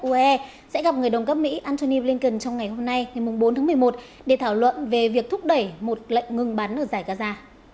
uae sẽ gặp người đồng cấp mỹ antony blinken trong ngày hôm nay ngày bốn tháng một mươi một để thảo luận về việc thúc đẩy một lệnh ngừng bắn ở giải gaza